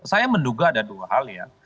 saya menduga ada dua hal ya